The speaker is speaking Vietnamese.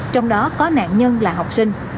trong đó có nạn nhân là học sinh